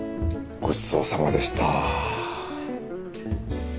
ごちそうさまでした。